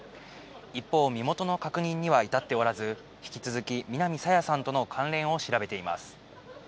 一方、身元の確認には至っておらず、引き続き南朝芽さんとの関連を調べています。